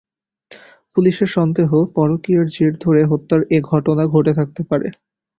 পুলিশের সন্দেহ, পরকীয়ার জের ধরে হত্যার এ ঘটনা ঘটে থাকতে পারে।